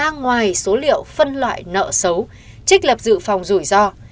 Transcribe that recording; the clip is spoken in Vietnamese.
ra ngoài số liệu phân loại nợ xấu trích lập dự phòng rủi ro